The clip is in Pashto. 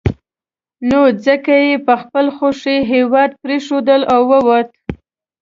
نو ځکه یې په خپله خوښه هېواد پرېښود او ووت.